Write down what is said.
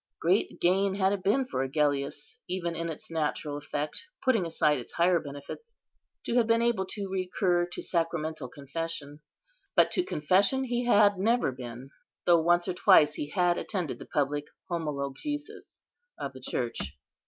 Great gain had it been for Agellius, even in its natural effect, putting aside higher benefits, to have been able to recur to sacramental confession; but to confession he had never been, though once or twice he had attended the public homologesis of the Church.